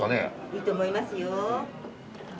いいと思いますよ。